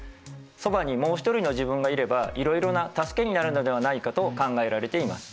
そばにもう一人の自分がいればいろいろな助けになるのではないかと考えられています。